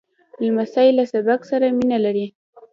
لمسی له سبق سره مینه لري.